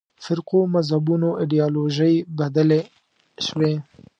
فرقو مذهبونو ایدیالوژۍ بدلې شوې.